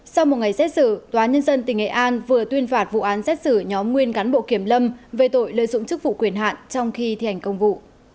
sau một ngày xét xử tnh tnh vừa tuyên phạt vụ án xét xử nhóm nguyên cán bộ kiểm lâm về tội lợi dụng chức vụ quyền hạn trong khi thi hành công vụ